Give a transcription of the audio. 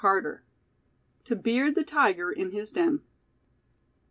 CHAPTER XXIV. TO BEARD THE TIGER IN HIS DEN.